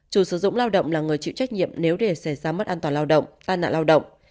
chủ sử dụng lao động là người chịu trách nhiệm nếu để xảy ra mất an toàn lao động tai nạn lao động